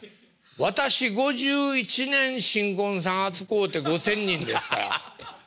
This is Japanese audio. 私５１年新婚さん扱うて５，０００人ですから。